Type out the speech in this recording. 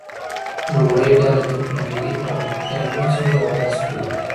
لومړۍ ډله دې فرهنګي پرمختیاوې وڅېړي او بحث پرې وکړي.